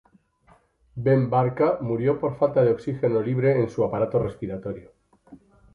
Ben Barka murió por falta de oxígeno libre en su Aparato respiratorio.